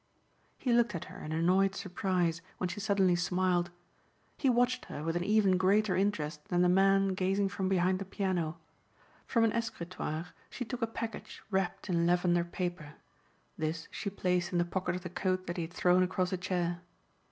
He looked at her in annoyed surprise when she suddenly smiled. He watched her with an even greater interest than the man gazing from behind the piano. From an escritoire she took a package wrapped in lavender paper. This she placed in the pocket of the coat that he had thrown across a chair.